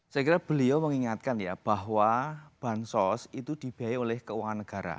saya kira beliau mengingatkan ya bahwa bansos itu dibiayai oleh keuangan negara